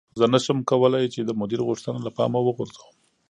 زه نشم کولی چې د مدیر غوښتنه له پامه وغورځوم.